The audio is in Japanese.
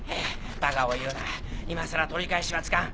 バカを言うな今さら取り返しはつかん。